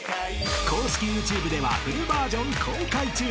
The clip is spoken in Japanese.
［公式ＹｏｕＴｕｂｅではフルバージョン公開中］